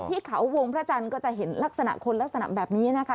ที่เขาวงพระจันทร์ก็จะเห็นลักษณะคนลักษณะแบบนี้นะคะ